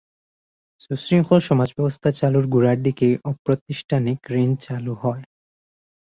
সুশৃঙ্খল সমাজব্যবস্থা চালুর গোড়ার দিকেই অপ্রাতিষ্ঠানিক ঋণ চালু হয়।